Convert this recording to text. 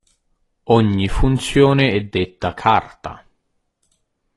Ogni funzione è detta carta.